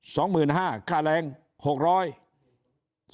สองหมื่นนี่